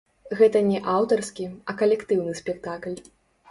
Гэта не аўтарскі, а калектыўны спектакль.